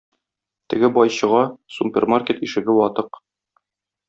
Теге бай чыга, супермаркет ишеге ватык.